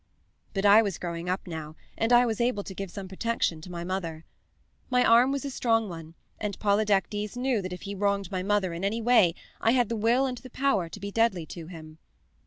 "But I was growing up now, and I was able to give some protection to my mother. My arm was a strong one, and Polydectes knew that if he wronged my mother in any way, I had the will and the power to be deadly to him.